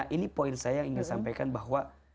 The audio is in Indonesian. nah ini poin saya ingin sampaikan bahwa